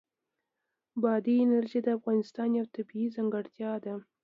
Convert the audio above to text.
بادي انرژي د افغانستان یوه طبیعي ځانګړتیا ده.